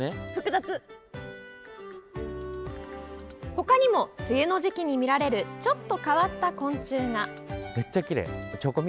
ほかにも梅雨の時期に見られるちょっと変わった昆虫が。